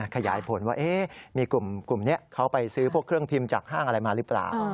ขยายผลว่ามีกลุ่มนี้เขาไปซื้อพวกเครื่องพิมพ์จากห้างอะไรมาหรือเปล่า